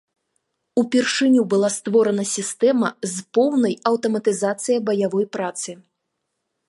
Упершыню была створаная сістэма з поўнай аўтаматызацыяй баявой працы.